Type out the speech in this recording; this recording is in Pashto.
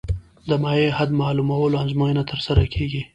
د مایع حد معلومولو ازموینه ترسره کیږي